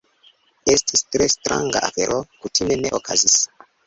Estis tre stranga afero... kutime ne okazis.